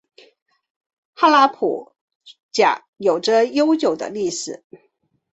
哈拉卜贾有着悠久的历史。